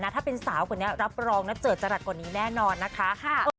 ถ้าเป็นสาวคนนี้รับรองนะเจอจรัสกว่านี้แน่นอนนะคะ